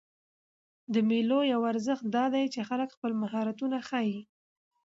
د مېلو یو ارزښت دا دئ، چې خلک خپل مهارتونه ښيي.